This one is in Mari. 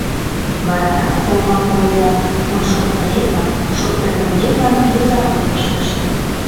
Варарак олмапуэтлан, пуншоптыретлан, шоптырвондетлан йозакым пыштышт.